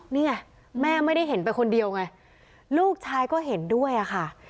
นี่ไงแม่ไม่ได้เห็นไปคนเดียวไงลูกชายก็เห็นด้วยอะค่ะ